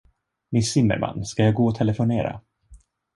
Miss Zimmermann, ska jag gå och telefonera?